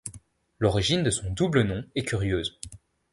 L'origine de son double nom est curieuse.